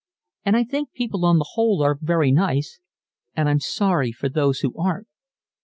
And I think people on the whole are very nice, and I'm sorry for those who aren't."